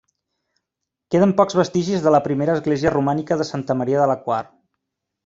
Queden pocs vestigis de la primera església romànica de Santa Maria de la Quar.